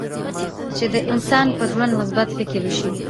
چې د انسان پر ژوند مثبت فکر وشي.